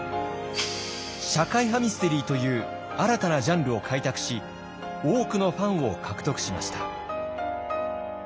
社会派ミステリーという新たなジャンルを開拓し多くのファンを獲得しました。